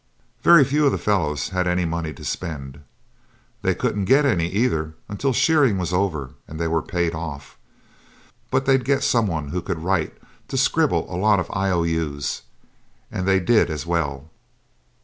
Very few of the fellows had any money to spend. They couldn't get any either until shearing was over and they were paid off; but they'd get some one who could write to scribble a lot of I O U's, and they did as well.